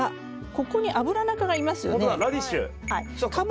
ここにアブラナ科がいますよね。